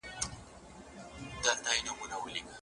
ابتدايي ټولنه کې ژبه د ارتباط وسيله ده.